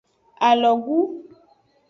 Alogu.